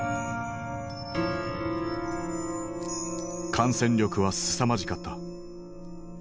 感染力はすさまじかった。